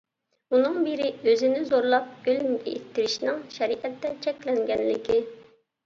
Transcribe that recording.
ئۇنىڭ بىرى ئۆزىنى زورلاپ ئۆلۈمگە ئىتتىرىشنىڭ شەرىئەتتە چەكلەنگەنلىكى.